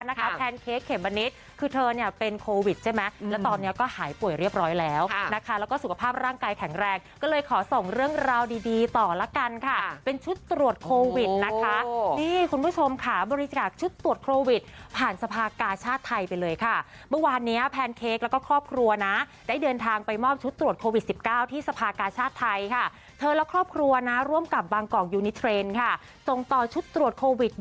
นะคะแพนเค้กเข็มบะนิดคือเธอเนี่ยเป็นโควิดใช่ไหมแล้วตอนนี้ก็หายป่วยเรียบร้อยแล้วนะคะแล้วก็สุขภาพร่างกายแข็งแรงก็เลยขอส่งเรื่องราวดีต่อละกันค่ะเป็นชุดตรวจโควิดนะคะนี่คุณผู้ชมค่ะบริจาคชุดตรวจโควิดผ่านสภากาชาติไทยไปเลยค่ะเมื่อวานนี้แพนเค้กแล้วก็ครอบครัวนะได้เดินทางไปมอบชุดตรวจ